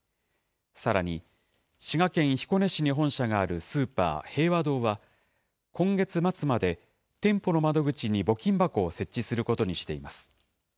さらに、滋賀県彦根市に本社があるスーパー、平和堂は、今月末まで、店舗の窓口に募金箱を設置することにしています。